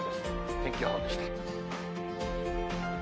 天気予報でした。